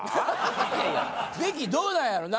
どうなんやろな？